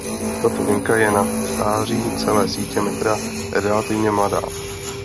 Tato linka je na stáří celé sítě metra relativně mladá.